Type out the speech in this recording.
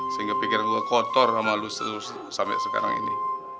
sehingga pikir gue kotor sama lu sampai sekarang ini